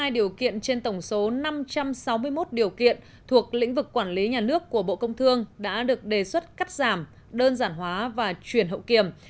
một mươi điều kiện trên tổng số năm trăm sáu mươi một điều kiện thuộc lĩnh vực quản lý nhà nước của bộ công thương đã được đề xuất cắt giảm đơn giản hóa và chuyển hậu kiểm